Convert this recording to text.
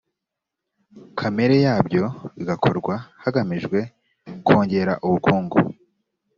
kamere yabyo bigakorwa hagamijwe kongera ubukungu